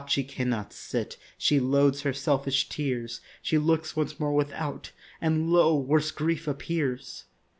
She cannot sit; She loathes her selfish tears; She looks once more without, And lo! worse grief appears.